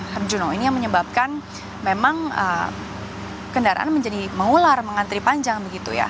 harjuno ini yang menyebabkan memang kendaraan menjadi mengular mengantri panjang begitu ya